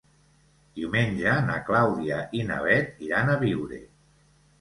Diumenge na Clàudia i na Bet iran a Biure.